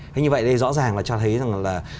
thế như vậy đây rõ ràng là cho thấy là